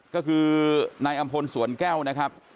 ก็คือนายอำพลสวนแก้วนะครับ